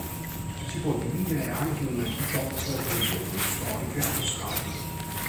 Si può dividere anche in diciotto regioni storiche o stati.